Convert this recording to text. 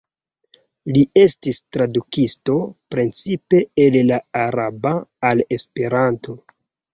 Li estis tradukisto precipe el la araba al esperanto.